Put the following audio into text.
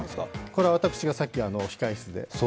これは私がさっき控え室で。